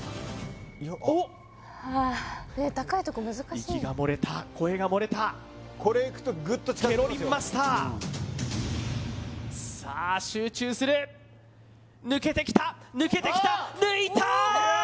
おっああ息が漏れた声が漏れたこれいくとグッと近づくケロリンマスターさあ集中する抜けてきた抜けてきた抜いたー！